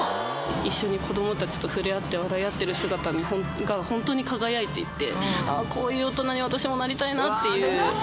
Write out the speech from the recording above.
一緒に子どもたちと触れ合って笑い合ってる姿が本当に輝いていて、ああ、こういう大人に私もなりたいなっていう。